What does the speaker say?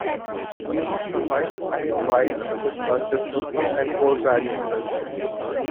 He was survived by his wife, his son, Christopher, and four grandchildren.